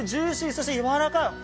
そして、やわらかい！